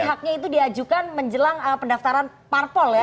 haknya itu diajukan menjelang pendaftaran parpol ya